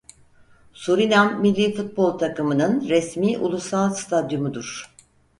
Surinam millî futbol takımının resmî ulusal stadyumudur.